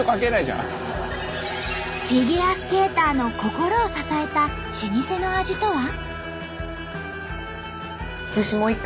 フィギュアスケーターの心を支えた老舗の味とは？